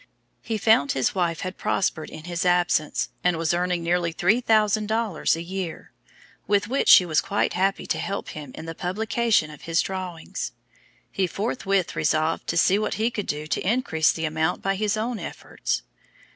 He found his wife had prospered in his absence, and was earning nearly three thousand dollars a year, with which she was quite ready to help him in the publication of his drawings. He forthwith resolved to see what he could do to increase the amount by his own efforts.